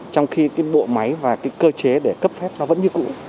trong khi bộ máy và cơ chế để cấp phép vẫn như cũ